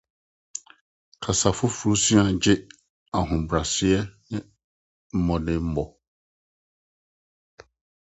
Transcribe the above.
Kasa foforo sua gye ahobrɛase ne mmɔdenbɔ.